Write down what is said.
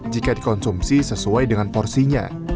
jika dikonsumsi sesuai dengan porsinya